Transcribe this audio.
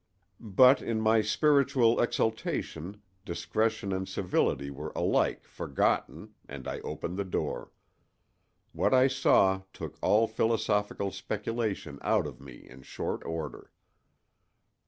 But in my spiritual exaltation, discretion and civility were alike forgotten and I opened the door. What I saw took all philosophical speculation out of me in short order.